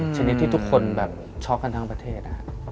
ชนิดที่ทุกคนแบบช็อกกันทั้งประเทศ